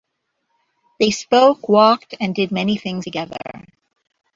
They spoke, walked and did many things together.